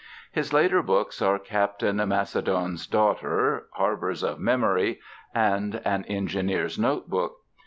His later books are Captain Macedoine's Daughter, Harbours of Memory, and An Engineer's Notebook.